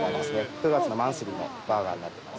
９月のマンスリーのバーガーになってます。